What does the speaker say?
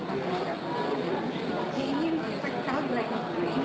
yang ingin diakukan sebelum